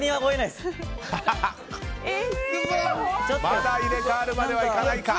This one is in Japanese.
まだ入れ替わるまではいかないか。